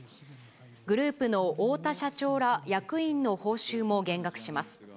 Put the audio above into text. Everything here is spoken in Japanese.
グループの太田社長ら役員の報酬も減額します。